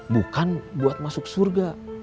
bukan buat masuk surga